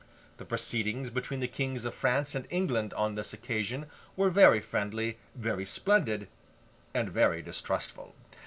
The proceedings between the Kings of France and England on this occasion, were very friendly, very splendid, and very distrustful.